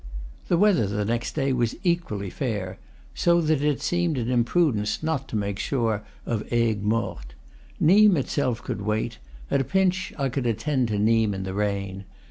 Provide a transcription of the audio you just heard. The weather the next day was equally fair, so that it seemed an imprudence not to make sure of Aigues Mortes. Nimes itself could wait; at a pinch, I could attend to Nimes in the rain.